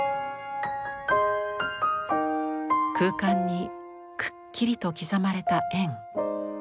空間にくっきりと刻まれた円。